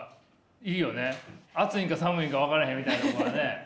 暑いんか寒いんか分からへんみたいなとこがね。